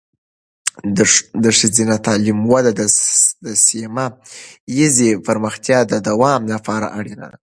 د ښځینه تعلیم وده د سیمه ایزې پرمختیا د دوام لپاره اړینه ده.